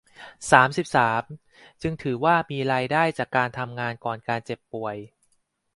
สามสิบสาม จึงถือว่ามีรายได้จากการทำงานก่อนการเจ็บป่วย